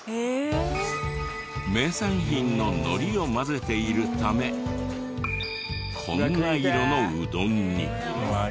名産品ののりを混ぜているためこんな色のうどんに。